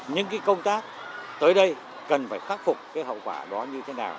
những công tác tới đây cần phải khắc phục cái hậu quả đó như thế nào